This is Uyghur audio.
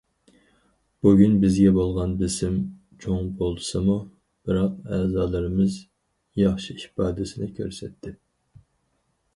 بۈگۈن بىزگە بولغان بېسىم چوڭ بولسىمۇ، بىراق ئەزالىرىمىز ياخشى ئىپادىسىنى كۆرسەتتى.